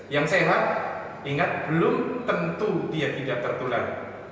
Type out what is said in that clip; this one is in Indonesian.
yang sehat ingat belum tentu dia tidak tertular